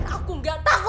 aku gak tahu